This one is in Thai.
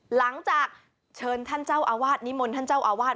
หลังจากเชิญท่านเจ้าอาวาสนิมนต์ท่านเจ้าอาวาส